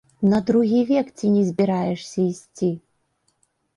На другі век ці не збіраешся ісці?